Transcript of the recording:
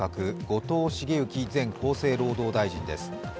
後藤茂之前厚生労働大臣です。